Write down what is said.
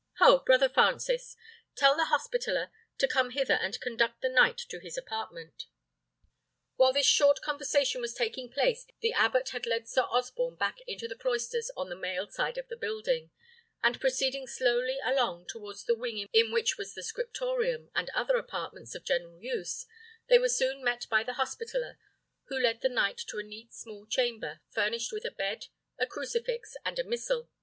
Ho! brother Francis, tell the hospitaller to come hither and conduct the knight to his apartment." While this short conversation was taking place, the abbot had led Sir Osborne back into the cloisters on the male side of the building; and proceeding slowly along towards the wing in which was the scriptorium, and other apartments of general use, they were soon met by the hospitaller, who led the knight to a neat small chamber, furnished with a bed, a crucifix, and a missal.